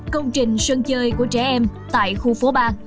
công trình sân chơi của trẻ em tại khu phố ba